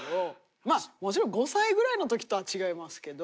まあもちろん５歳ぐらいの時とは違いますけど。